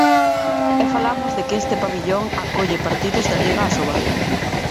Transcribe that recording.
E falamos de que este pavillón acolle partidos da Liga Asobal.